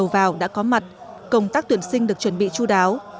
đầu vào đã có mặt công tác tuyển sinh được chuẩn bị chú đáo